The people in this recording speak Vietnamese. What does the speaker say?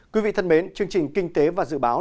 quý vị thân mến chương trình kinh tế và dự báo